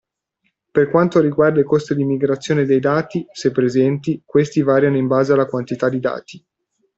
Per quanto riguarda i costi di migrazione dei dati, se presenti, questi variano in base alla quantità di dati.